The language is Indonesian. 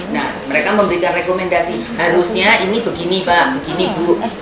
nah mereka memberikan rekomendasi harusnya ini begini pak begini bu